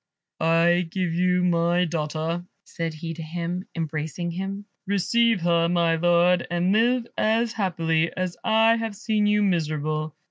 "I give you my daughter," said he to him, embracing him. "Receive her, my Lord, and live as happily as I have seen you miserable.